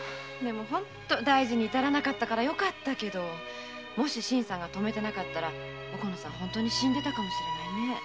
大事に至らなかったからよかったけど新さんが止めてなかったら死んでたかもしれないね。